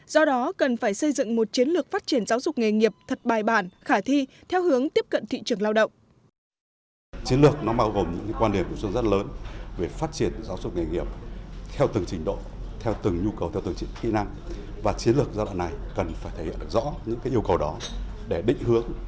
do đó cần phải xây dựng một chiến lược phát triển giáo dục nghề nghiệp thật bài bản khả thi theo hướng tiếp cận thị trường lao động